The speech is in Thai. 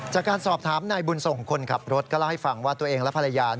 จากการสอบถามนายบุญส่งคนขับรถก็เล่าให้ฟังว่าตัวเองและภรรยา